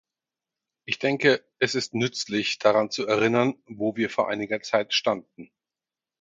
Ich denke, es ist nützlich, daran zu erinnern, wo wir vor einiger Zeit standen.